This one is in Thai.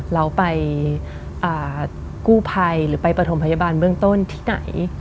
เราไปกู้ภัยหรือไปประถมพยาบาลเบื้องต้นที่ไหน